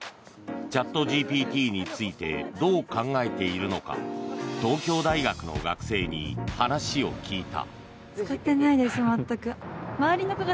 チャットＧＰＴについてどう考えているのか東京大学の学生に話を聞いた。